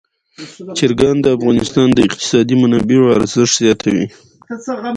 چرګان د افغانستان د اقتصادي منابعو ارزښت زیاتوي.